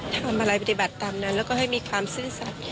ทำอะไรปฏิบัติตามนั้นแล้วก็ให้มีความซื่อสัตว์